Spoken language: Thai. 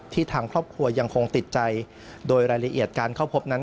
ทางครอบครัวยังคงติดใจโดยรายละเอียดการเข้าพบนั้น